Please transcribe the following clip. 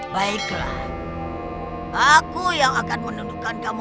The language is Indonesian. siapa yang menembak kamu